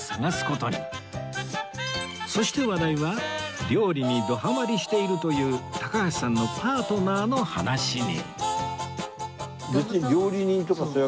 そして話題は料理にどハマりしているという高橋さんのパートナーの話に